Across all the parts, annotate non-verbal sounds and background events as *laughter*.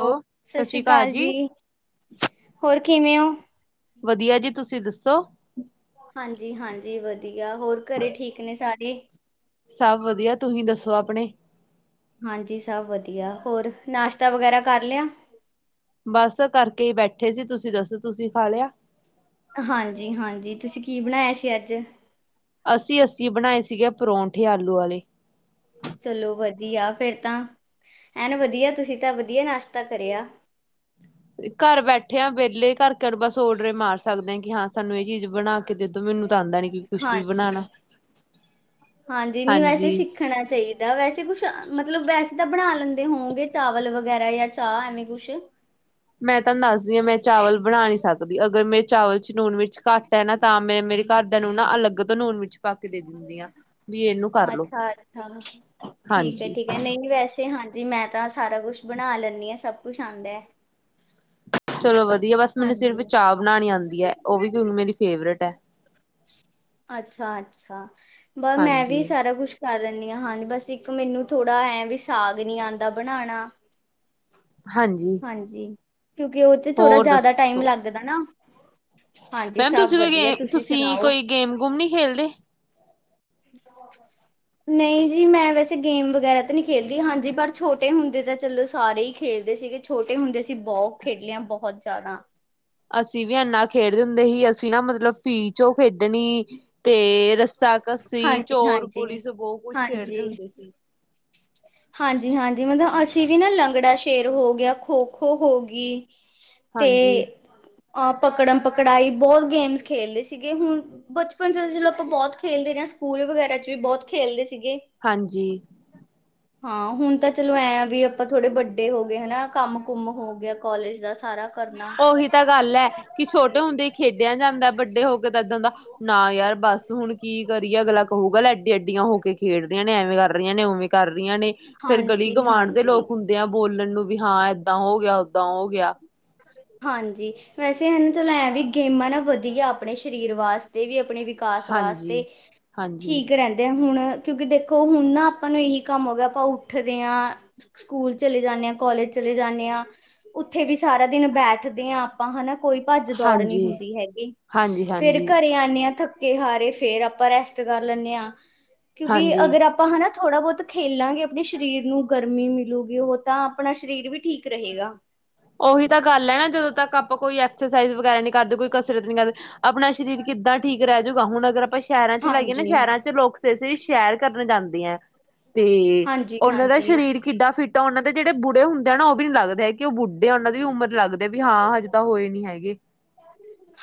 Hello ਸਤਿ ਸਸ ਸ੍ਰੀ ਅਕਾਲ ਕਾਲ ਜੀ ਹੋਰ ਕਿਵੇਂ ਹੋ? ਤੁਸੀ ਦੱਸੋ। ਹਾਂਜੀ ਹਾਂਜੀ ਵਧੀ *unintelligible* ਹੋਰ ਘਰੇ ਠੀਕ ਨੇ ਸਾਰੇ। ਸਵ ਵਧੀਆ ਤੁਸੀ ਦੱਸੋ ਅਪਣੀ। ਹਾਂਜੀ ਸਭ ਵਧੀਆ ਹੋਰ ਨਾਸ਼ਤਾ ਵਗੈਰਾ ਕਰ ਲਿਆ? ਬਸ ਕਰਕੇ ਹੀ ਬੈਠੇ ਸੀ ਤੁਸੀ ਦੱਸੋ ਤੁਸੀ ਖਾ ਲਿਆ? ਹਾਂਜੀ ਹਾਂਜੀ ਤੁਸੀ ਕੀ ਬਣਾਇਆ ਸੀ ਅੱਜ? ਅੱਸੀ ਅੱਸੀ ਬਣਾਏ ਸੀਗੇ ਪਰੌਂਠੇ ਆਲੂ ਵਾਲੇ। ਚਲੋ ਵਧੀਆ ਫੇਰ ਤਾਂ ਐਨ ਵਧੀਆ ਤੁਸੀ ਤਾਂ ਵਧੀਆ ਨਾਸ਼ਤਾ ਕਰਿਆ। ਘਰ ਬੈਠੇ ਆ ਵੇਹਲੇ ਘਰ ਕਰ ਬਸ ਓਡਰੇ ਮਾਰ ਸਕਦੇ ਹਾਂ ਕਿ ਹਾਂ ਸਾਨੂੰ ਇਹ ਚੀਜ਼ ਬਣਾ ਕੇ ਦੇ ਦੋ ਮੈਨੂੰ ਤਾਂ ਆਉਂਦਾ ਨੀ ਕਿ ਕੁਛ ਵੀ ਹਾਂਜੀ ਬਣਾਉਣਾ ਹਾਂਜੀ ਨੀ ਵੈਸੇ ਸਿੱਖਣਾ ਚਾਹੀਦਾ ਵੈਸੇ ਕੁਛ ਮਤਲਬ ਵੈਸ ਤਾਂ ਬਣਾ ਲੈਂਦੇ ਹੋਊਂਗੇ ਚਾਵਲ ਵਗੈਰਾ ਯਾਂ ਚਾ ਐਵੇਂ ਕੁਛ? ਮੈਂ ਤਾਨੂੰ ਦੱਸਦੀ ਹਾਂ ਮੈਂ ਚਾਵਲ ਬਣਾ ਨੀ ਸਕਦੀ ਅਗਰ ਮੈਂ ਚਾਵਲ ਨੂਨ ਮਿਰਚ ਘੱਟ ਐ ਨਾ ਤਾਂ ਮੈਂ ਮੇਰੇ ਘਰ ਦੇ ਨਾ ਅਲੱਗ ਤੋਂ ਨੂਨ ਮਿਰਚ ਪਾ ਕੇ ਦੇ ਦਿੰਦੀ ਹਾਂ ਵੀ ਏਨੂੰ ਕਰ ਲੋ, ਅੱਛਾ-ਅੱਛਾ। ਹਾਂਜੀ। ਦਸ ਸਾਰਾ ਕੁਛ ਬਣਾ ਲੈਂਨੀ ਹਾਂ ਸਭ ਕੁਛ ਆਂਦਾ ਐ। ਚਲੋ ਵਧ ਬਸ ਮੈਨੂੰ ਸਿਰਫ਼ ਚਾ ਬਣਾਣੀ ਆਂਦੀ ਐ ਓਹ ਵੀ ਕਿਉਂ ਮੇਰੀ ਫੇਵਰੇਟ ਹੈ। ਅੱਛਾ ਅੱਛਾ। ਬ ਮੈਂ ਵੀ ਸਾਰਾ ਕੁਛ ਕਰ ਲੈਨੀ ਹਾਂ ਹਾਂਜੀ ਬਸ ਇੱਕ ਮੈਨੂੰ ਥੋੜਾ ਐ ਵੀ ਸਾਗ ਨੀ ਆਂਦਾ ਬਣਾਣਾ। ਹਾਂਜੀ। ਕਿਉਂਕਿ ਉਹ ਤੇ ਥੋੜਾ ਹੋਰ ਜਿਆਦਾ ਟਾਈਮ ਦੱਸੋ, ਲੱਗਦਾ ਨਾ ਹਾਂਜੀ ਮੈਮ ਸਭ ਤੁਸੀ ਕੋਈ ਵਧੀਆ ਗੇ ਤੁਸੀਂ ਤੁਸੀ ਸੁਣਾਓ ਕੋਈ ਗੇਮ ਗੂਮ ਨਈ ਖੇਲਦੇ? ਨਹੀਂ ਜੀ ਮੈਂ ਵੈਸੇ ਗੇਮ ਵਗੈਰਾ ਤਾਂ ਨਹੀਂ ਖੇਲਦੀ ਹਾਂਜੀ ਪਰ ਛੋਟੇ ਹੁੰਦੇ ਤਾਂ ਚਲੋ ਸਾਰੇ ਹੀ ਖੇਲਦੇ ਸੀਗੇ ਛੋਟੇ ਹੁੰਦੇ ਸੀ ਅਸੀਂ ਬਹੁਤ ਖੇਡੀ ਆ ਬਹੁਤ *unintelligible* ਅਸੀ ਵੀ ਇੰਨਾ ਖੇਡਦੇ ਹੁੰਦੇ ਹੀ ਅਸੀ ਨਾ ਮਤਲਬ ਭੀ ਚੋਂ ਖੇਡਣੀ ਤੇ ਰੱਸਾ ਕੱਸੀ, ਚੋਰ ਹਾਂਜੀ-ਹਾਂਜੀ, ਪੁਲਿਸ ਬਹੁਤ ਕੁਛ ਖੇਡਦੇ ਹਾਂਜੀ, ਹੁੰਦੇ ਸੀ। ਹਾਂਜੀ-ਹਾਂਜੀ ਮਤਲਬ ਅਸੀ ਵੀ ਨਾ ਲੰਗੜਾ ਖੇਰ ਹੋ ਗਿਆ, ਖੋ-ਖੋ ਹੋ ਗੀ ਤੇ ਹਾਂਜੀ, ਅ ਪਕੜਨ-ਪਕੜਾਈ ਬੋਤ ਗੇਮਸ ਖੇਲਦੇ ਸੀਗੇ ਹੁਣ ਬਚਪਨ ਚ ਜਲੋ ਆਪਾਂ ਬੋਤ ਖੇਲਦੇ ਰੇ ਆਂ ਸਕੂਲ ਵਗੈਰਾ ਚ ਵੀ ਬੋਤ ਖੇਦਦੇ ਸੀਗੇ ਹਾਂਜੀ। ਹਾਂ ਹੁਣ ਤਾਂ ਚਲੋ ਐਂ ਵੀ ਆਪਾਂ ਥੋੜੇ ਵੱਡੇ ਹੋ ਗਏ ਹੈਨਾ ਕੰਮ ਕੁਮ ਹੋ ਗਿਆ ਕੋਾਲਜ ਦਾ ਸਾਰਾ ਕਰਨਾ ਉਹੀ ਤਾਂ ਗੱਲ ਹੈ ਕਿ ਛੋਟੇ ਹੁੰਦੇ ਹੀ ਖੇਡਿਆ ਜਾਂਦਾ ਵੱਡੇ ਹੋ ਕੇ ਤਾਂ ਇੱਦਾਂ ਦਾ ਨਾ ਯਾਰ ਬਸ *inaudible* ਕੀ ਕਰੀਏ ਅਗਲਾ ਕਹੂਗਾ ਲੈ ਐਡੀ ਐੱਡੀਆਂ ਹੋ ਕੇ ਖੇਡ ਰੀਆਂ ਨੇ ਐਵੇਂ ਕਰ ਆਂ ਨੇ ਉਵੇ ਘਰ ਨੇ ਫੇਿਰ ਗਲੀ ਹਾਂਜੀ ਗਵਾਂਢ ਦੇ ਹਾਂਜੀ ਲੋਕ ਹੁੰਦੇ ਆ ਬੋਲਣ ਨੂੰ ਵੀ ਹਾਂ ਏਦਾਂ ਹੋ ਗਿਆ ਓਦਾਂ ਹੋ ਗਿਆ ਹਾਂਜੀ ਵੈਸੇ ਹਨ ਚਲ ਐਂ ਵੀ ਗੇਮਾਂ ਨਾ ਵਧੀਆ ਆਪਣੇ ਸਰੀਰ ਵਾਸਤੇ ਵੀ ਆਪਣੇ ਵਿਕਾਸ ਵਾਸਤੇ ਹਾਂਜੀ ਹਾਂਜੀ ਠੀਕ ਰਹਿੰਦੇ ਆ ਹੁਣ ਕਿਉਂਕਿ ਦੇਖੋ ਹੁਣ ਨਾ ਆਪਾਂ ਨੂੰ ਇਹੀ ਕੰਮ ਹੋ ਗਿਆ ਆਪਾਂ ਉੱਠਦੇ ਹਾਂ ਸਕੂਲ ਚਲੇ ਜਾਂਦੇ ਹਾਂ ਕੋਾਲਜ ਚਲੇ ਜਾਂਦੇ ਹਾਂ ਉੱਥੇ ਵੀ ਸਾਰਾ ਦਿਨ ਬੈਠਦੇ ਹਾਂ ਆਪਾਂ ਹਨਾ ਕੋਈ ਭੱਜ ਦੌੜ ਨੀ ਹਾਂਜੀ ਹਾਂਜੀ ਹੁੰਦੀ ਹੈਗੀ ਫੇਰ ਹਾਂਜੀ ਘਰੇ ਆਣੇ ਆ ਥੱਕ ਕੇ ਹਾਰੇ ਫੇਰ ਆਪਾਂ ਰੈਸਟ ਕਰ ਲੈਣੇ ਆ ਕਿਉਂਕਿ ਹਾਂਜੀ ਅਗਰ ਆਪਾਂ ਹਨਾ ਥੋੜ੍ਹਾ ਬਹੁਤ ਖੇਲਾਂਗੇ ਆਪਣੇ ਸਰੀਰ ਨੂੰ ਗਰਮੀ ਮਿਲੂਗੀ ਉਹ ਤਾਂ ਆਪਣਾ ਸਰੀਰ ਵੀ ਠੀਕ ਰਹੇਗਾ ਉਹੀ ਤਾਂ ਗੱਲ ਹੈ ਨਾ ਜਦੋਂ ਤੱਕ ਆਪਾਂ ਕੋਈ ਐਕਸਰਸਾਈਜ਼ ਵਗੈਰਾ ਨਹੀਂ ਕਰਦੇ ਕੋਈ ਕਸਰਤ ਨੀ ਕਰਦੇ ਆਪਣਾ ਸਰੀਰ ਕਿੱਦਾਂ ਠੀਕ ਰਹਿ ਜੂਗਾ ਹੁਣ ਅਗਰ ਆਪਾਂ ਸ਼ਹਿਰਾਂ ਚ ਲਾਈਏ ਨਾ ਹਾਂਜੀ ਸ਼ਹਿਰਾਂ ਚ ਲੋਕ ਸਵੇਰੇ ਸਵੇਰੇ ਸ਼ਹਿਰ ਕਰਨ ਜਾਂਦੇ ਆ ਤੇ ਹਾਂਜੀ ਉਹਨਾਂ ਦਾ ਹਾਂਜੀ ਸਰੀਰ ਕਿੱਡਾ ਫਿੱਟ ਤਾਂ ਉਹਨਾਂ ਦੇ ਜਿਹੜੇ ਬੁੜੇ ਹੁੰਦੇ ਆ ਨਾ ਉਹ ਵੀ ਨੀ ਲੱਗਦੇ ਹੈਗੇ ਕੀ ਉਹ ਵੀ ਬੁ ਢਾ ਉਹਨਾਂ ਦੀ ਵੀ ਉਮਰ ਲੱਗਦੀ ਵੀ ਹਾਂ ਹਜੇ ਤਾਂ ਹੋਈ ਨੀ ਹੈਗੀ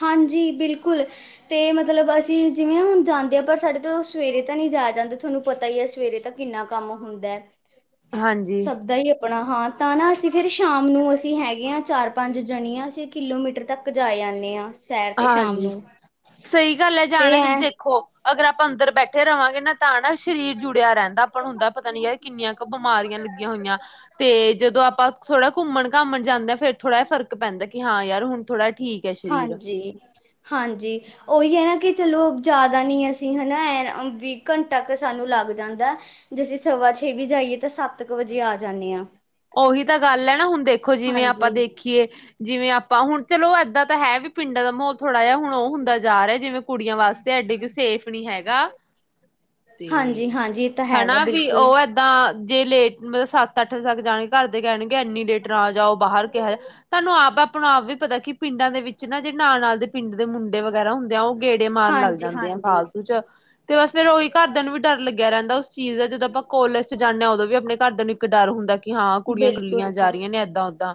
ਹਾਂਜੀ ਬਿਲਕੁਲ ਤੇ ਮਤਲਬ ਅਸੀਂ ਜਿਵੇਂ ਹੁਣ ਜਾਂਦੇ ਹਾਂ ਪਰ ਸਾਡੇ ਤੋਂ ਸਵੇਰੇ ਤਾਂ ਨਹੀਂ ਜਾਇਆ ਜਾਂਦਾ ਤੁਹਾਨੂੰ ਪਤਾ ਹੀ ਹੈ ਸਵੇਰੇ ਤਾਂ ਕਿੰਨਾ ਕੰਮ ਹੁੰਦਾ ਹੈ ਹਾਂਜੀ ਸਭ ਦਾ ਹੀ ਆਪਣਾ ਹਾਂ ਤਾਂ ਨਾ, ਅਸੀਂ ਫਿਰ ਸ਼ਾਮ ਨੂੰ ਅਸੀਂ ਹੈਗੇ ਹਾਂ ਚਾਰ- ਪੰਜ ਜਣਿਆਂ ਅਸੀਂ ਕਿਲੋਮੀਟਰ ਤੱਕ ਜਾਏ ਆਨੇ ਆ। ਹਾਂਜੀ, ਸਹੀ ਗੱਲ ਹੈ ਤੇ ਜਾਣ ਦੀ ਐ ਦੇਖੋ ਅਗਰ ਆਪ ਪਾਂ ਅੰਦਰ ਬੈਠੇ ਰਵਾਂਗੇ ਨਾ ਤਾਂ ਨਾ ਸ ਸ਼ਰੀਰ ਜੁੜਿਆ ਰਹਿੰਦਾ ਆਪਾਂ ਨੂੰ ਹੁੰਦਾ ਪਤਾ ਨੀ ਯਾਰ ਕਿੰਨੀਆਂ ਕੁ ਬਿਮਾਰੀਆਂ ਲੱਗੀਆਂ ਹੋਈਆਂ, ਤੇ ਜਦੋਂ ਆਪਾਂ ਥੋੜਾ ਘੁੰਮਣ-ਘਾਮਣ ਜਾਂਦੇ ਹਾਂ ਫੇਰ ਥੋੜ੍ਹਾ ਫ਼ਰਕ ਪੈਂਦਾ ਕ ਹਾਂ ਯਾਰ ਹੁਣ ਥੋੜ੍ਹਾ ਠੀਕ ਹੈ ਸ਼ਰੀਰ। ਹਾਂਜੀ ਹਾਂਜੀ ਉਹੀ ਹੈ ਨਾ ਕਿ ਚਲੋ ਜ਼ਿਆਦਾ ਨੀ ਅਸੀਂ ਹੈਨਾ ਐ ਵੀਹ ਘੰਟਾ ਕੁ ਸਾਨੂੰ ਲੱਗ ਜਾਂਦੇ, ਜੇ ਅਸੀਂ ਸਵਾ ਛੇ ਵੀ ਜਾਈਏ ਤਾਂ ਸੱਤ ਕੁ ਵਜੇ ਆ ਜਾਂਨੇ ਆ। ਉਹੀ ਤਾਂ ਗੱਲ ਹੈਨਾ ਹੁਣ ਦੇਖੋ ਜਿਵੇਂ ਆਪਾਂ ਹਾਂਜੀ ਦੇਖੀਏ ਜਿਵੇਂ ਆਪਾਂ ਹੁਣ, ਚਲੋ ਏਦਾਂ ਤਾਂ ਹੈ ਵੀ ਪਿੰਡਾਂ ਦਾ ਮਾਹੌਲ਼ ਥੋੜ੍ਹਾ ਜੇਹਾ ਹੁਣ ਉਹ ਹੁੰਦਾ ਜਾ ਰਿਹਾ ਜਿਵੇਂ ਕੁੜੀਆਂ ਵਾਸਤੇ ਐਡੇ ਕ ਸੇਫ ਨਹੀਂ ਹੈਗਾ। ਹਾਂਜੀ ਤੇ, ਹਾਂਜੀ ਇਹ ਤਾਂ ਹੈਗਾ ਹਨਾ ਵੀ ਬਿਲਕੁਲ ਉਹ ਏਦਾਂ ਜੇ ਲੇਟ, ਮਤਲਬ ਸਤ-ਅੱਠ ਸਦ ਜਾਣਗੇ, ਘਰ ਦੇ ਕਹਿਣਗੇ ਇੰਨੀ ਲੇਟ ਨਾ ਆ ਜਾਓ ਬਾਹਰ ਕਿਹਾ। ਤੁਹਾਨੂੰ ਆਪ ਹੁਣ ਆਪ ਵੀ ਪਤਾ ਕਿ, ਪਿੰਡਾਂ ਦੇ- ਵਿੱਚ ਨਾ ਜਿਹੜੇ ਨਾਲ-ਨਾਲ ਦੇ ਪਿੰਡ ਦੇ ਮੁੰਡੇ ਵਗੈਰਾ ਹੁੰਦੇ ਆ, ਉਹ ਗੇੜੇ ਮਾਰਨ ਲੱਗ ਜਾਂਦੇ ਆ ਹਾਂਜੀ-ਹਾਂਜੀ, ਫਾਲਤੂ ਚ ਤੇ ਬਸ ਫਿਰ ਉਹੀ ਘਰਦਿਆਂ ਨੂੰ ਵੀ ਡਰ ਲੱਗੀ ਲਗਿਆ ਰਹਿੰਦਾ ਉਸ ਚੀਜ਼ ਦਾ, ਜਦੋਂ ਆਪਾਂ ਕੋਲਜ ਚ ਜਾਂਦੇ ਹਾਂ ਉਦੋਂ ਵੀ ਆਪਣੇ ਘਰ ਨੂੰ ਇੱਕ ਡਰ ਹੁੰਦਾ ਕਿ ਹਾਂ ਕੁੜੀਆਂ ਕਲੀਆਂ ਜਾ ਰਹੀਆਂ ਨੇ ਇੱਦਾਂ ਓਦਾਂ।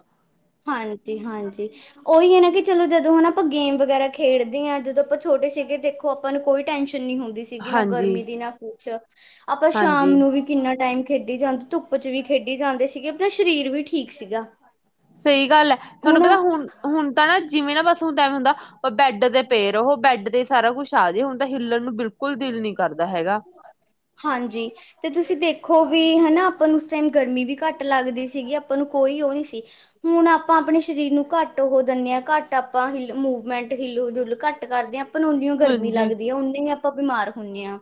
ਹਾਂਜੀ- ਹਾਂਜੀ। ਉਹੀ ਹੈ ਨਾ ਕਿ ਚਲੋ ਜਦੋਂ ਹੈਨਾ ਆਪਾਂ ਗੇਮ ਵਗੈਰਾ ਖੇਡਦੇ ਹਾਂ, ਜਦੋਂ ਆਪਾਂ ਛੋਟੇ ਸੀਗੇ ਦੇਖੋ ਆਪਾਂ ਨੂੰ ਕੋਈ ਟੈਂਸ਼ਨ ਕਿੰਨੀ ਹੁੰਦੀ ਸੀਗੀ ਨਾ ਹਾਂਜੀ ਗਰਮੀ ਦੀ, ਨਾ ਕੁਛ ਆਪਾਂ ਸ਼ਾਮ ਹਾਂਜੀ ਨੂੰ ਵੀ ਕਿੰਨਾ ਟਾਈਮ ਖੇਡੀ ਜਾਂਦੇ, ਧੁੱਪ ਚ ਵੀ ਖੇਡੀ ਜਾਂਦੇ ਸੀਗੇ। ਆਪਣਾ ਸਰੀਰ ਵੀ ਠੀਕ ਸੀਗਾ। ਸਹੀ। ਗੱਲ ਹੈ। ਤੁਹਾਨੂੰ ਪਤਾ ਹੁਣ, ਹੁਣ ਤਾਂ ਨਾ ਜਿਵੇਂ ਨਾ ਬਸ ਹੁਣ ਤੇ ਏਵੇਂ ਹੁੰਦਾ, ਬੈੱਡ ਤੇ ਪਏ ਰਹੋ, ਬੈਡ ਤੇ ਸਾਰਾ ਕੁਛ ਆ ਜੇ, ਹੁਣ ਤਾਂ ਹਿੱਲਣ ਨੂੰ ਬਿਲਕੁਲ ਦਿਲ ਨੀ ਕਰਦਾ ਹੈਗਾ। ਪੀ ਹੈਨਾ ਆਪਾਂ ਨੂੰ ਉਸ ਟਾਈਮ ਗਰਮੀ ਵੀ ਘੱਟ ਲੱਗਦੀ ਸੀਗੀ, ਆਪਾਂ ਨੂੰ ਕੋਈ ਉਹ ਨੀ ਸੀ। ਹੁਣ ਆਪਾਂ ਆਪਣੇ ਸਰੀਰ ਨੂੰ ਘੱਟ ਉਹ ਦਿੰਦੇ ਹਾਂ ਘੱਟ ਆਪਾਂ ਹਿੱਲ ਮੂਵਮੈਂਟ, ਹਿੱਲੂ ਡੁੱਲ ਘੱਟ ਕਰਦੇ ਆ ਅਪ ਣ ਉਨੀਓ ਗਰਮੀ ਹਾਂਜੀ। ਲੱਗਦੀ ਹੈ, ਉਨੇ ਹੀ ਆਪਾਂ ਬਿਮਾਰ ਹੁੰਦੇ ਹਾਂ।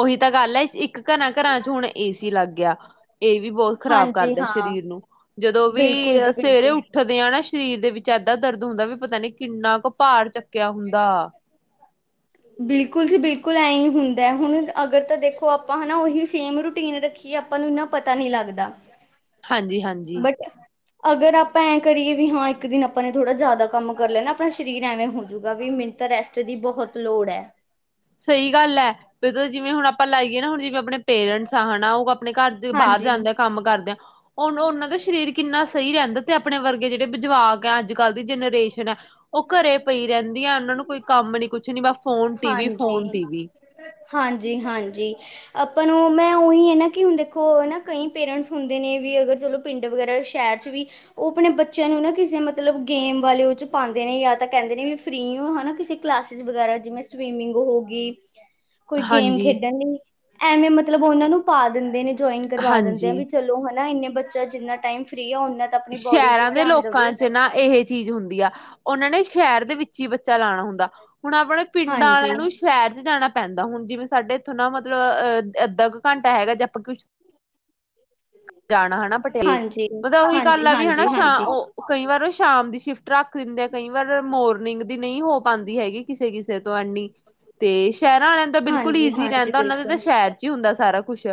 ਉਹੀ ਤਾਂ ਗੱਲ ਹੈ ਇੱਕ ਘਰਾਂ ਘਰਾਂ ਚ ਹੁਣ ਏਸੀ ਲੱਗ ਗਿਆ। ਇਹ ਵੀ ਬਹੁਤ ਖ਼ਰਾਬ ਹਾਂਜੀ ਕਰਦਾ ਹਾਂ ਸਰੀਰ ਨੂੰ ਜਦੋਂ ਵੀ ਬਿਲਕੁਲ ਜੀ ਸਵੇਰੇ ਬਿਲਕੁਲ ਉੱਠਦੇ ਆ ਨਾ। ਸਰੀਰ ਦੇ ਵਿੱਚ ਏਦਾਂ ਦਰਦ ਹੁੰਦਾ ਵੀ ਪਤਾ ਨੀ ਕਿੰਨਾ ਕੁ ਭਾਰ ਚੱ ਕਿਆ ਹੁੰਦਾ? ਬਿਲਕੁਲ ਜੀ ਬਿਲਕੁਲ ਐਹੀ ਹੁੰਦਾ ਹੁਣ ਅਗਰ ਤਾਂ ਦੇਖੋ ਆਪਾਂ ਹਨਾ ਉਹੀ ਸੇਮ ਰੂਟੀਨ ਰੱਖੀਏ ਆਪਾਂ ਨੂੰ ਇਨਾ ਪਤਾ ਨਹੀ ਲੱਗਦਾ। ਹਾਂਜੀ ਹਾਂਜੀ। ਬਟ ਅਗਰ ਆਪਾਂ ਐਂ ਕਰੀਏ ਵੀ ਹਾਂ ਇੱਕ ਦਿਨ ਆਪਾਂ ਨੇ ਥੋੜ੍ਹਾ ਜ਼ਿਆਦਾ ਕੰਮ ਕਰ ਲੈਣਾ ਆਪਣਾ ਸਰੀਰ ਐਵੇਂ ਹੋਜੂਗਾ ਵੀ ਮੈਨੂੰ ਤਾਂ ਰੈਸਟ ਦੀ ਬਹੁਤ ਲੋੜ ਹੈ। ਸਹੀ ਗੱਲ ਹੈ ਵੀ *unintelligible* ਜਿਵੇਂ ਹੁਣ ਆਪਾਂ ਲਾਈਏ ਨਾ ਹੁਣ ਜਿਵੇਂ ਆਪਣੇ ਪੇਰੈਂਟਸ ਆ ਹਨਾ ਉਹ ਆਪਣੇ ਘਰ ਦੇ ਬਾਹਰ ਹਾਂਜੀ ਜਾਂਦੇ ਆ ਕੰਮ ਕਰਦੇ ਆਂ ਉਹ ਉਹਨਾਂ ਦਾ ਸਰੀਰ ਕਿੰਨਾ ਸਹੀ ਰਹਿੰਦਾ ਤੇ ਆਪਣੇ ਵਰਗੇ ਜਿਹੜੇ ਵੀ ਜਵਾਕ ਹੈ ਅੱਜ ਕੱਲ੍ਹ ਦੀ ਜਨਰੇਸ਼ਨ ਹੈ। ਉਹ ਘਰੇ ਪਈ ਰਹਿੰਦੀਆਂ ਉਹਨਾਂ ਨੂੰ ਕੋਈ ਕੰਮ ਨੀ ਕੁਛ ਨੀ ਬ ਫੋਨ ਟੀਵੀ ਹਾਂਜੀ ਹਾਂਜੀ ਹਾਂਜੀ। ਆਪਾਂ ਨੂੰ ਮੈਂ ਉਹੀ ਹੈ ਨਾ ਕਿ ਹੁਣ ਦੇਖੋ ਨਾ ਕਈ ਪੇਰੈਂਟਸ ਹੁੰਦੇ ਨੇ ਵੀ ਅਗਰ ਚਲੋ ਪਿੰਡ ਵਗੈਰਾ ਸ਼ਹਿਰ ਚ ਵੀ ਉਹ ਆਪਣੇ ਬੱਚਿਆਂ ਨੂੰ ਨਾ ਕਿਸੇ ਮਤਲਬ ਗੇਮ ਵਾਲੇ ਉਹ ਚ ਪਾ ਦੇ ਨੇ ਜਾ ਤਾਂ ਕਹਿੰਦੇ ਨੇ ਵੀ ਫਰੀ ਹਿਨਾਂ ਕਿਸੇ ਕਲਾਸਸ ਵਗੈਰਾ ਜਿਵੇਂ ਸਵੀਮਿੰਗ ਹੋ ਗਈ। ਕੋਈ ਗੇਮ ਹਾਂਜੀ ਖੇਡਣ ਲਈ। ਐਵੇਂ ਮਤਲਬ ਉਹਨਾਂ ਨੂੰ ਪਾ ਦਿੰਦੇ ਨੇ ਜੁਆਇਨ ਕਰਵਾ ਦਿੰਦੇ ਆ ਹਾਂਜੀ ਵੀ ਚਲੋ ਹਨਾ ਇੰਨੇ ਬੱਚਾ ਜਿੰਨਾ ਟਾਈਮ ਫਰੀ ਆ ਓ ਸ਼ਹਿਰਾਂ ਦੇ ਲੋਕਾਂ ਚ ਨਾ ਇਹ ਚੀਜ਼ ਹੁੰਦੀ ਆ। ਉਹਨਾਂ ਨੇ ਸ਼ਹਿਰ ਦੇ ਵਿੱਚ ਹੀ ਬੱਚਾ ਲਾਉਣਾ ਹੁੰਦਾ। ਹੁਣ ਆਪਣੇ ਪਿੰਡਾਂ ਹਾਂਜੀ ਵਾਲਿਆਂ ਨੂੰ ਸ਼ਹਿਰ ਚ ਜਾਣਾ ਪੈਂਦਾ ਹੁਣ ਜਿਵੇਂ ਸਾਡੇ ਇੱਥੋਂ ਨਾ ਮਤਲਬ ਅਹ ਅੱਧਾ ਕੁ ਘੰਟਾ ਹੈਗਾ ਜੇ ਆਪਾਂ ਕੁਛ ਜਾਣਾ ਹੈ ਪਟੇਰ ਹਾਂਜੀ ਪਤਾ ਉਹੀ ਹਾਂਜੀ ਲਾ ਵੀ ਹਨਾ ਹਾਂਜੀ ਹਾਂਜੀ ਸ਼ ਹਾਂਜੀ ਉਹ ਕਈ ਵਾ ਪਰ ਉਹ ਸ਼ਾਮ ਦੀ ਸ਼ਿਫਟ ਰੱਖ ਦਿੰਦੇ ਆ, ਕਈ ਵਾਰ ਮੋਰਨਿੰਗ ਦੀ ਨਹੀਂ ਹੋ ਪਾਂਦੀ ਹੈਗੀ ਕਿਸੇ ਕਿਸੇ ਦੁਆਨੀ ਤੇਸ ਸ਼ਹਿਰਾਂ ਵਾਲਿਆਂ ਦਾ ਬਿਲਕੁਲ ਹਾਂਜੀ ਈਜ਼ੀ ਹਾਂਜੀ ਰਹਿੰਦਾ ਉਹਨਾਂ ਦੇ ਤਾਂ ਬਿਲਕੁਲ ਸ਼ਹਿਰ ਚ ਹੀ ਹੁੰਦਾ ਸੀ। ਸਾਰਾ ਕੁਛ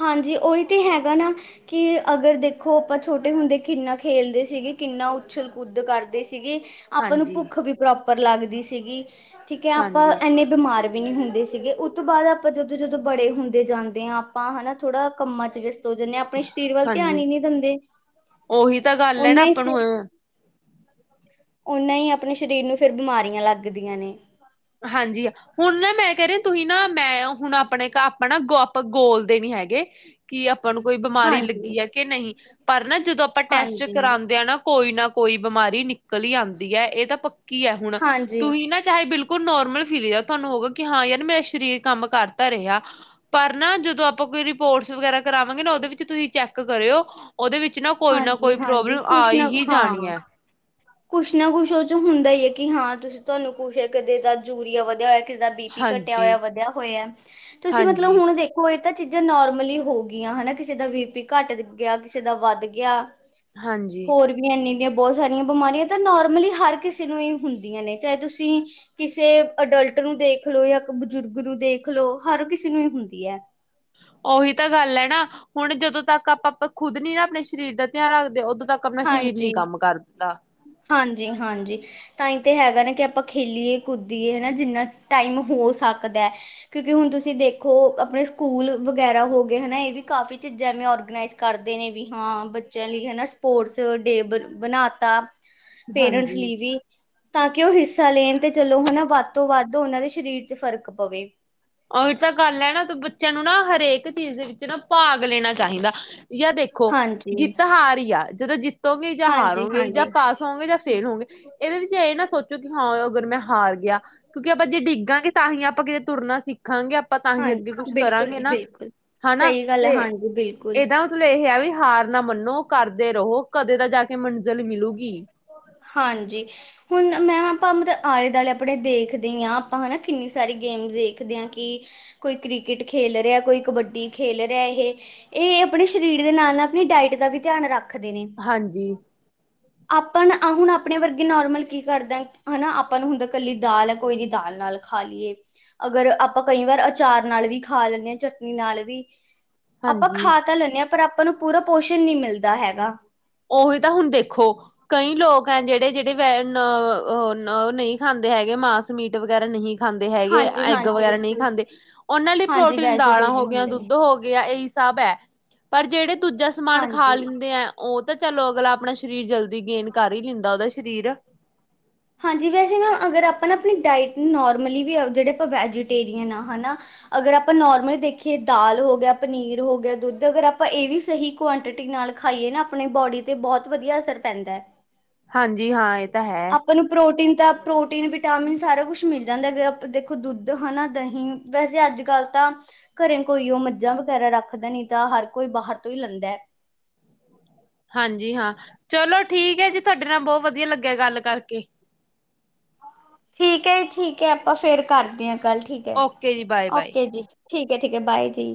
ਹਾਂਜੀ ਉਹੀ ਤੇ ਹੈਗਾ ਨਾ ਕਿ ਅਗਰ ਦੇਖੋ ਆਪਾਂ ਛੋਟੇ ਹੁੰਦੇ ਕਿੰਨਾ ਖੇਲਦੇ ਸੀਗੇ ਕਿੰਨਾ ਉਛਲ ਕੁੱਦ ਕਰਦੇ ਸੀ। ਸੀਗੇ ਆਪਾਂ ਨੂੰ ਹਾਂਜੀ ਭੁੱਖ ਵੀ ਬਰਾਬ ਬਰ ਲੱਗਦੀ ਸੀਗੀ। ਠੀਕ ਹੈ ਆਪਾਂ ਹਾਂਜੀ ਇੰਨੇ ਬਿਮਾਰ ਵੀ ਨਹੀ ਹੁੰਦੇ ਸੀਗੇ ਉਹ ਤੋਂ ਬਾਅਦ ਆਪਾਂ ਜਦੋਂ, ਜਦੋਂ ਬੜੇ ਹੁੰਦੇ ਜਾਂਦੇ ਆਂ ਆਪਾਂ ਆਪਾਂ ਹਨਾ ਥੋੜਾ ਕੰਮਾਂ ਚ ਜਿੰਨੇ ਆਪਣੇ ਸਰੀਰ ਵੱਲ ਧਿਆਨ ਹਾਂਜੀ ਹੀ ਨਹੀਂ ਦਿੰਦੇ, ਉਹੀ ਤਾਂ ਗੱਲ ਹੈ ਨਾ ਓਨਾ ਹੀ ਆਪਾਂ ਫਿਰ ਨੂੰ ਉਹਨਾਂ ਹੀ ਆਪਣੇ ਸਰੀਰ ਨੂੰ ਫਿਰ ਬਿਮਾਰੀਆਂ ਲੱਗਦੀਆਂ ਨੇ। ਹਾਂਜੀ ਆ ਹੁਣ ਨਾ ਮੈਂ ਕਹਿ ਰਹੀ ਤੁਸੀਂ ਨਾ ਮੈਂ ਹੁਣ ਆਪਣੇ ਘਰ ਆਪਾਂ ਨਾ ਆਪ ਗੋਲਦੇ ਨੀ ਹੈਗੇ ਕਿ ਆਪ ਆਪਾਂ ਨੂੰ ਕੋਈ ਬਿਮਾਰੀ ਹਾਂਜੀ ਲੱਗੀ ਹੈ ਕਿ ਨਹੀਂ ਪਰ ਨਾ ਜਦੋਂ ਆਪਾਂ ਟੈਸਟ ਹਾਂਜੀ ਕਰਾਉਂਦੇ ਆ ਨਾ ਕੋਈ ਨਾ ਕੋਈ ਬਿਮਾਰੀ ਨਿਕਲ ਹੀ ਆਂਦੀ ਐ ਇਹ ਤਾਂ ਪ ਕੀ ਹੈ ਹੁਣ ਹਾਂਜੀ ਤੁਸੀਂ ਨਾ ਚਾਹੇ ਬਿਲਕੁ ਕੁਲ ਨੋਰਮਲ ਫਿਰੀ ਜਾਓ ਤੁਹਾਨੂੰ ਹੋਗਾ ਕਿ ਹਾਂ ਯਾਰ ਮੇਰਾ ਸਰੀਰ ਕੰਮ ਕਰਤਾ ਰਿਹਾ, ਪਰ ਨਾ ਜਦੋਂ ਆਪਾਂ ਕੋਈ ਰਿਪੋਰਟਸ ਵਗੈਰਾ ਕਰਾਵਾਂਗੇ ਨਾ ਉਹਦੇ ਵਿੱਚ ਤੁਸੀਂ ਚੈਕ ਕਰਿਓ ਓਦੇ ਵਿਚ ਨਾ ਕੋਈ ਨਾ ਹਾਂਜੀ ਕੋਈ ਹਾਂਜੀ ਪ੍ਰੋਬਲਮ ਕੁਛ ਆਈ ਨਾ ਹੀ ਜਾਣੀ ਹਾਂ ਐ। ਕੁਛ ਨਾ ਕੁਛ ਉਹ ਚ ਹੁੰਦਾ ਹੀ ਹੈ, ਕਿ ਹਾਂ ਤੁਸੀਂ ਤੁਹਾਨੂੰ ਕੁਛ ਹੈ ਕਦੇ ਤਾਂ ਯੂਰੀਆ ਵਧਿਆ ਹੋਇਆ। ਕਿਸ ਦਾ ਬੀ ਪੀ ਘੱਟਿਆ ਹਾਂਜੀ ਹੋਇਆ ਵਧਿਆ ਹੋਇਆ, ਤੁਸੀਂ ਮਤਲਬ ਹਾਂਜੀ ਹੁਣ ਦੇਖੋ ਇਹ ਤਾਂ ਚੀਜ਼ਾਂ ਨੋਰਮਲੀ ਹੋ ਗੀਆਂ ਹਨਾ ਕਿਸੇ ਦਾ ਬੀ ਪੀ ਘੱਟ ਗਿਆ ਕਿਸੇ ਦਾ ਵੱਧ ਗਿਆ। ਹਾਂਜੀ ਹੋਰ ਵੀ ਇਨੇ ਇੰਨੀਆਂ ਬਹੁਤ ਸਾਰੀਆਂ ਬਿਮਾਰੀਆਂ ਤਾਂ ਨੋਰਮਲੀ ਹਰ ਕਿਸੇ ਨੂੰ ਹੀ ਹੁੰਦੀਆਂ ਨੇ ਚਾਹੇ ਤੁਸੀਂ ਕਿਸੇ ਅਡਲਟ ਨੂੰ ਦੇਖਲੋ ਜਾਂ ਬਜ਼ੁਰਗ ਨੂੰ ਦੇਖਲੋ ਹਰ ਕਿਸੇ ਨੂੰ ਹੀ ਹੁੰਦੀ ਹੈ। ਉਹੀ ਤਾਂ ਗੱਲ ਹੈ ਨਾ। ਹੁਣ ਜਦੋਂ ਤੱਕ ਆਪਾਂ ਖੁਦ ਨੀ ਨਾ ਆਪਣੇ ਸਰੀਰ ਦਾ ਧਿਆਨ ਰੱਖਦੇ ਉਦੋਂ ਤੱਕ ਆਪਣਾ ਸਰੀਰ ਨੀ ਕੰਮ ਕਰ ਦਿੰਦਾ। ਹਾਂਜੀ, ਹਾਂਜੀ। ਤਾਂ ਤਾਂ ਹੈਗਾ ਨਾ ਕਿ ਆਪਾਂ ਖੇਲੀਏ ਕੁਦੀਏ ਹਨਾ ਜਿੰਨਾ ਟਾਈਮ ਹੋ ਸਕਦਾ ਕਿਉਂਕਿ ਹੁਣ ਤੁਸੀਂ ਦੇਖੋ ਆਪਣੇ ਸਕੂਲ ਵਗੈਰਾ ਹੋ ਗਏ ਹਨਾ ਇਹ ਵੀ ਕਾਫ਼ੀ ਚੀਜ਼ਾਂਵੇਂ ਔਰਗਨਾਈਜ ਕਰਦੇ ਨੇ ਵੀ ਹਾਂ ਬੱਚਿਆਂ ਲਈ ਹਨਾ ਸਪੋਰਟਸ ਡੇ ਬ ਬਣਾ ਤਾ ਪੇਰੈਂਟਸ ਹਾਂਜੀ ਲਈ ਵੀ ਤਾਂ ਕਿ ਉਹ ਹਿੱਸਾ ਲੈਣ ਤੇ ਚਲੋ ਹਨਾ ਵੱਧ ਤੋਂ ਵੱਧ ਉਹਨਾਂ ਦੇ ਸਰੀਰ ਚ ਫ਼ਰਕ ਪਵੇ ਉਹੀ ਤਾਂ ਗੱਲ ਹੈ। ਨਾ ਤੂੰ ਬੱਚਿਆਂ ਨੂੰ ਨਾ ਹਰੇਕ ਇੱਕ ਚੀਜ਼ ਦੇ ਵਿੱਚ ਨਾ ਭਾਗ ਲੈਣਾ ਚਾਹੀਦਾ ਜਾਂ ਦੇਖੋ ਹਾਂਜੀ, ਜਿੱਤ ਹਾਰ ਹੀ ਆ ਜਦੋਂ ਜਿੱਤ ਗੇ ਜਾਂ ਹਾਂਜੀ, ਹਾਰੋਂਗੇ ਜਾਂ ਹਾਂਜੀ, ਪਾਸ ਹੋੋਂਗੇ ਜਾਂ ਫੇਲ ਹੋਗੇ ਇਹਦੇ ਵਿੱਚ ਇਹ ਨਾ ਸੋਚੋ ਕਿ ਹਾਂ ਅਗਰ ਮੈਂ ਹਾਰ ਗਿਆ ਕਿਉਂਕਿ ਆਪਾਂ ਜੇ ਡਿੱਗਾਂਗੇ ਤਾਂ ਹੀ ਆਪਾਂ ਕਿਤੇ ਤੁਰਨਾ ਸਿੱਖ ਦੇਖਾਂਗੇ ਆਪਾਂ ਤਾਂਹੀ ਹਾਂ ਅੱਗੇ ਕੁਛ ਬਿਲਕੁਲ ਕਰਾਂਗੇ ਜੀ ਨਾ ਬਿਲਕੁਲ। ਹਨਾ ਸਹੀ ਗੱਲ ਹੈ ਤੇ ਹਾਂਜੀ ਬਿਲਕੁਲ। ਇਹਦਾ ਮਤਲਬ ਇਹ ਆ ਵੀ ਹਾਰ ਨਾ ਮੰਨੋ ਕਰਦੇ ਰੋ। ਕਦੇ ਤਾਂ ਜਾ ਕੇ ਮਿਲ ਜ। ਮੇਲਗੀ ਮਿਲਗੀ। ਹਾਂਜੀ ਹੁਣ ਮ ਮੈਂ ਹਾ ਮਤ ਆਏ ਦਆਲੇ ਆਪਣੇ ਦੇਖਦੇ ਆ ਤਾਂ ਹਨਾਂ ਕਿੰਨੀ ਸਾਰੀ ਗੇਮ ਦੇਖਦੇ ਆ ਕਿ ਕੋਈ ਕ੍ਰਿਕਟ ਖੇਲ ਰਿਐ ਕੋਈ ਕਬੱਡੀ ਖੇਲ ਰਿਐ ਇਹ ਇਹ ਅਪਣੇ ਸਰੀਰ ਦੇ ਨਾਲ ਨਾ ਅਪਣੀ ਡਾਇਟ ਦਾ ਵੀ ਧਿਆਨ ਰੱਖ ਹਾਂਜੀ। ਆਪਾਂ ਨ ਆ ਹੁਣ ਆਪਣੇ ਵਰਗੇ ਨੋਰਮਲ ਕੀ ਕਰਦਾਏ ਹਨਾ ਆਪਾਂ ਨੂੰ ਹੁੰਦਾ ਕੱਲੀ ਦਾਲ ਏ ਕੋਈ ਨੀ ਦਾਲ ਨਾਲ ਖਾ ਲਈਏ ਅਗਰ ਆਪਾਂ ਕਈ ਵਰ ਅਚਾਰ ਨਾਲ ਵੀ ਖਾ ਲੈਣੇ ਆ ਚਟਨੀ ਨਾਲ ਵੀ ਅਪਾਂ ਹਾਂਜੀ ਖਾ ਤਾਂ ਲੈਂਨੇ ਆ ਪਰ ਅਪ ਆਪਾਂ ਨੂੰ ਪੂਰਾ ਪੋਸ਼ਣ ਨੀ ਮਿਲਦਾ ਹੈਗਾ। ਉਹੀ ਤਾਂ ਹੁਣ ਦੇਖ ਖੋ ਕਈ ਲੋਕ ਹ ਜੇੜੇ ਜੇੜੇ ਵ ਨ ਓ ਓ ਓ ਉਹ ਉਹ ਨਹੀਂ ਖਾਂਦੇ ਹੈਗੇ ਮਾਸ ਮੀਟ ਵਗੈਰਾ ਨਹੀਂ ਖ ਖਾਂਦੇ ਹੈਗੇ ਏ ਹਾਂਜੀ ਐਗ ਹਾਂਜੀ ਵਗੈਰਾ ਨਹੀਂ ਬਿਲਕੁਲ ਖਾਂਦੇ ਉਹਨਾਂ ਲਈ ਹਾਂਜੀ ਪ੍ਰੋਟੀਨ ਦਾਲਾਂ ਹੋ ਵੈਜੀਟੇਰੀਅਨ ਗਿਆ ਹੁੰਦੇ ਨੇ ਦੁੱਧ ਹੋ ਗਿਆ ਏਈ ਸਭ ਅ ਪਰ ਜਿੜੇ ਦੂਜਾ ਸਮਾਨ ਖਾ ਹਾਂਜੀ। ਲਿੰਦੇਏ- ਔ ਤਾਂ ਚਲੋ ਅਗਲਾ ਅਪਣਾ ਸਰੀਰ ਜਲਦ ਦੀ ਗੇਨ ਕਰ ਈ ਲਿੰਦਾ ਉਹਦਾ ਸ਼ ਤੀਦੀਰ। ਹਾਂਜੀ ਵੈਸੇ ਨਾ ਅਗਰ ਅਪਾ ਨਾ ਅ ਪਣੀ ਡਾਇਟ ਨੂੰ ਨੋਰਮਲੀ ਵੀ ਅ ਜੇੜੇ ਅਪਾ ਵੇਂਜੀਟੇਰੀਅਨ ਆ ਹਨਾਂ ਅਗਰ ਅਪਾ ਨੌਰਮਲ ਦੇਖੀਏ ਦਾਲ ਹੋ ਗਿਆ ਪਨੀਰ ਹੋਗਿਆ ਦੁੱਧ ਅਗਰ ਅਪਾ ਏ ਵੀ ਸਹੀ ਕੂਆਨਟਟੀ ਨਾਲ ਖਾਇਏ ਨਾ ਅਪਣੇ ਬੋਡੀ ਤੇ ਬਹੁਤ ਵਧੀਆ ਅਸਰ ਪੈਂਦਾ। ਹਾਂਜੀ ਹਾਂ ਏ। ਆਪਾਂ ਨੂੰ ਪ੍ਰੋਟੀਨ ਤਾਂ ਪ੍ਰੋਟੀਨ ਵਿਟਾਮਿਨ ਸਾਰਾ ਕੁਛ ਮਿਲ ਜਾਂਦਾ ਦੇ ਦੇਖੋ ਦੁੱਧ ਹਨਾ ਦਹੀਂ ਵੈਸੇ ਅੱਜ ਕੱਲ ਤਾਂ ਘਰੇ ਕੋਈ ਉਹ ਮੱਝਾਂ ਵਗੈਰਾ ਰੱਖਦਾ ਨੀ ਤਾਂ ਹਰ ਕੋਈ ਬਾਹਰ ਤੋਂ ਈ ਲੈਂਦਾ। ਹਾਂਜੀ ਹਾਂ। ਚਲੋ ਠੀਕ ਐ ਜੀ ਤੁਆਡੇ ਨਾਲ ਬੋ ਵਧੀਆ ਲੱਗਿਆ ਗੱਲ ਕਰਕੇ। ਠੀਕ ਐ ਜ ਠੀਕ ਐ ਅਪਾਂ ਫੇਰ ਕਰਦੇ ਆ। ਗੱਲ ਠੀਕ ਐ। ਓਕੇ ਜੀ ਬਾਏ ਬਾਏ ਓਕੇ ਜੀ। ਠੀਕ ਹੈ ਠੀਕ ਹੈ ਬਾਏ ਜੀ।